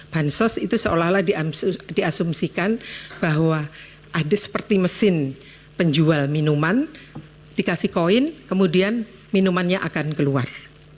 bansos itu seolah olah diasumsikan bahwa ada seperti mesin penjual minuman dikasih koin kemudian minumannya akan keluar